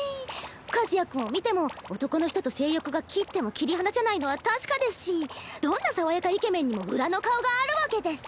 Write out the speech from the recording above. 和也君を見ても男の人と性欲が切っても切り離せないのは確かですしどんな爽やかイケメンにも裏の顔があるわけです。